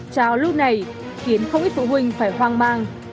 trò lưu này khiến không ít phụ huynh phải hoang mang